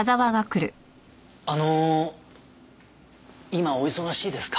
あの今お忙しいですか？